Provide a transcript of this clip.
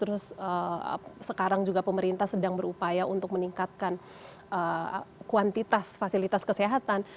terus sekarang juga pemerintah sedang berupaya untuk meningkatkan kuantitas fasilitas kesehatan